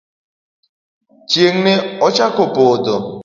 Chieng' ne ochako podho .